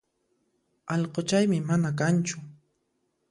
Allquchaymi mana kanchu